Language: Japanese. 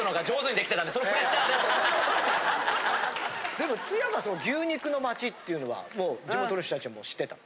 でも津山は牛肉のまちっていうのは地元の人達は知ってたの？